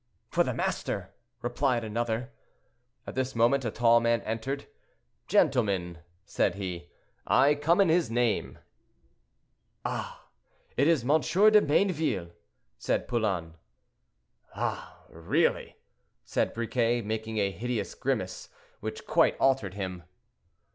"For the master," replied another. At this moment, a tall man entered. "Gentlemen," said he, "I come in his name." "Ah! it is M. de Mayneville," said Poulain. "Ah, really!" said Briquet, making a hideous grimace, which quite altered him.